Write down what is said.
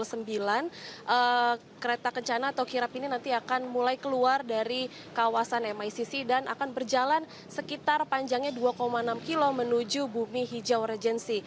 kereta kencana atau kirap ini nanti akan mulai keluar dari kawasan micc dan akan berjalan sekitar panjangnya dua enam km menuju bumi hijau regency